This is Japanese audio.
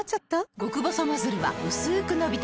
極細ノズルはうすく伸びて